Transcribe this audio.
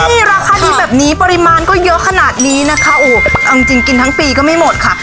นี่ราคาดีแบบนี้ปริมาณก็เยอะขนาดนี้นะคะโอ้เอาจริงกินทั้งปีก็ไม่หมดค่ะ